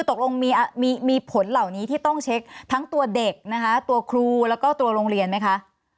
ตกลงมีผลเหล่านี้ที่ต้องเช็คทั้งตัวเด็กนะคะตัวครูแล้วก็ตัวโรงเรียนไหมคะ